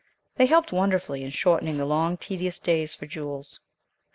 They helped wonderfully in shortening the long, tedious days for Jules.